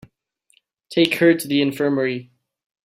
Take her to the infirmary.